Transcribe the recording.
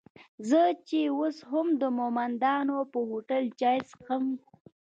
زه چې اوس هم د مومندانو پر هوټل چای څکم.